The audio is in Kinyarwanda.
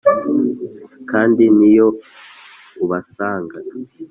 kandi niyo ubasanga,